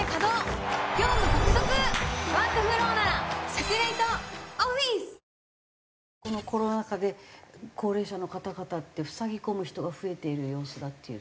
サントリーこのコロナ禍で高齢者の方々って塞ぎ込む人が増えている様子だっていう。